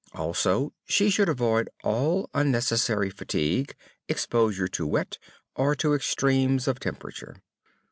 Also, she should avoid all unnecessary fatigue, exposure to wet or to extremes of temperature.